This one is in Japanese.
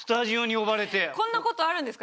こんなことあるんですか？